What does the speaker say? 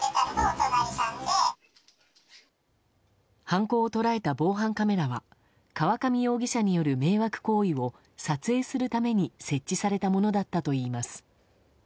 犯行を捉えた防犯カメラは河上容疑者による迷惑行為を撮影するために設置されたものだったといいます。